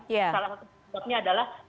salah satu kesempatannya adalah